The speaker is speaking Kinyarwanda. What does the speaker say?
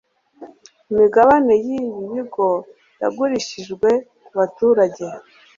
Imigabane yibi bigo yagurishijwe kubaturage.